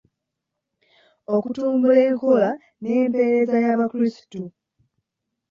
Okutumbula enkola n'empeereza y'abakurisitu.